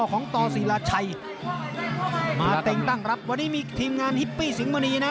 ต่อศิลาชัยมาเต็งตั้งรับวันนี้มีทีมงานฮิปปี้สิงหมณีนะ